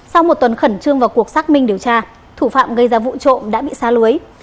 sau một tuần khẩn trương vào cuộc xác minh điều tra thủ phạm gây ra vụ trộm đã bị xa lưới